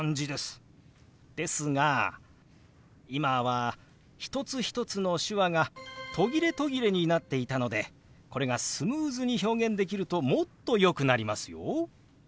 ですが今は一つ一つの手話が途切れ途切れになっていたのでこれがスムーズに表現できるともっとよくなりますよ。